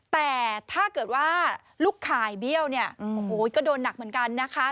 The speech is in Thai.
แต่ถ้าเกิดว่าลูกข่ายเบี้ยวเนี่ยโอ้โหก็โดนหนักเหมือนกันนะคะ